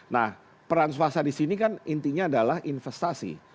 nah peran swasta disini kan intinya adalah investasi